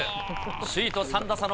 首位と３打差の